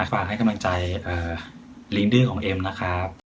ฝากให้กำลังใจลิงดื้อของเอ็มนะครับ